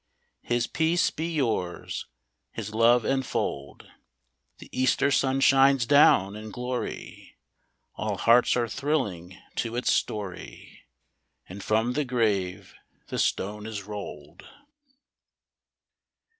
His peace be yours — His love enfold ! The Easter sun shines down in glory ; All hearts are thrilling to its story, And from the grave the stone is rolled